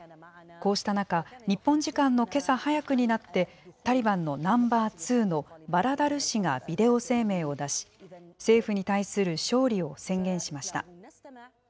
こうした中、日本時間のけさ早くになって、タリバンのナンバー２のバラダル師がビデオ声明を出し、政府に対する勝利を宣言しました。